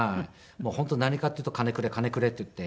本当何かっていうと金くれ金くれっていって。